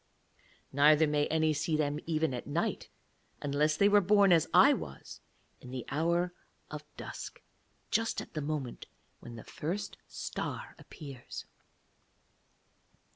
Neither may any see them even at night unless they were born, as I was, in the hour of dusk, just at the moment when the first star appears.